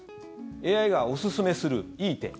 ＡＩがおすすめするいい手。